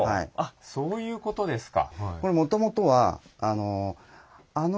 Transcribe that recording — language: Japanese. そういうことですか。